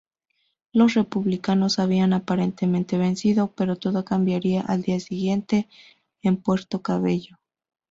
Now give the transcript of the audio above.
Los republicanos habían aparentemente vencido, pero todo cambiaría al día siguiente en Puerto Cabello.